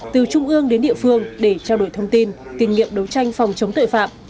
từ trung ương đến địa phương để trao đổi thông tin kinh nghiệm đấu tranh phòng chống tội phạm